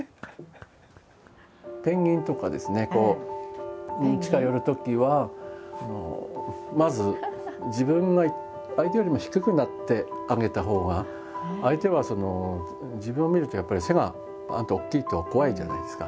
ペンギンとかですねこう近寄るときはまず自分が相手よりも低くなってあげたほうが相手はその自分を見るとやっぱり背が大きいと怖いじゃないですか。